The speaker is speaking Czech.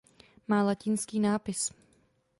Má latinský nápis.